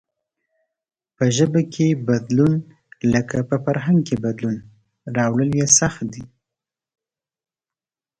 په ژبه کې بدلون لکه په فرهنگ کې بدلون راوړل سخت دئ.